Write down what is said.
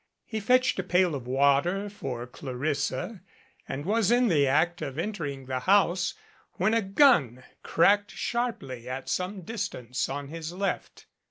He fetched a pail of water for Clarissa and was in the act of entering the house when a gun cracked sharply at some distance on his left.